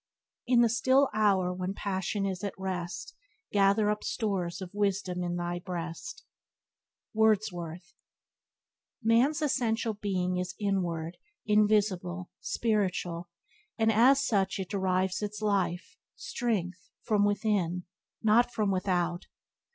"In the still hour when passion is at rest Gather up stores of wisdom in thy breast." — Wordsworth. AN'S essential being is inward, invisible, spiritual, and as such it derives its life, strength, from within, not from without.